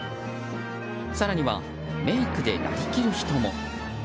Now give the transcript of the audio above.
更にはメイクでなりきる人も。